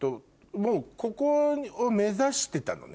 もうここを目指してたのね？